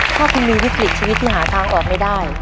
ถ้าคุณมีฤทธิ์หลีกชีวิตที่หาทางออกไม่ได้